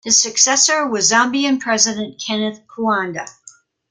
His successor was Zambian President Kenneth Kaunda.